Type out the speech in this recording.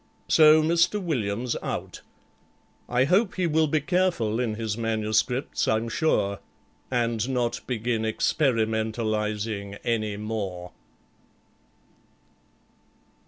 So MISTER WILLIAM'S out. I hope he will be careful in his manuscripts, I'm sure, And not begin experimentalizing any more.